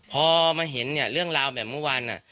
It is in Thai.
พอมาเห็นเนี่ยเรื่องราวแบบเมื่อวาน